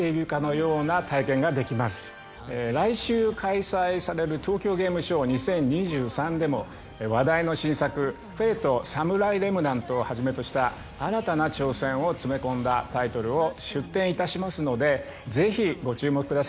来週開催される東京ゲームショウ２０２３でも話題の新作『Ｆａｔｅ／ＳａｍｕｒａｉＲｅｍｎａｎｔ』をはじめとした新たな挑戦を詰め込んだタイトルを出展いたしますのでぜひご注目ください。